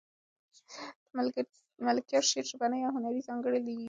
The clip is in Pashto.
د ملکیار شعر ژبنۍ او هنري ځانګړنې لري.